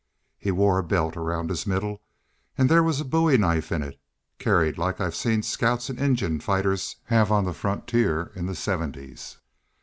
He wore a belt round his middle an' thar was a bowie knife in it, carried like I've seen scouts an' Injun fighters hev on the frontier in the 'seventies.